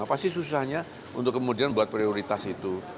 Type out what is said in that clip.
apa sih susahnya untuk kemudian buat prioritas itu